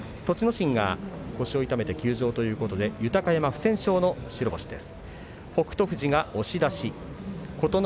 心が腰を痛めて休場ということで豊山不戦勝の白星です。